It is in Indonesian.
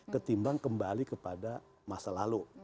ketimbang kembali kepada masa lalu